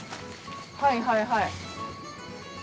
はいはいはい。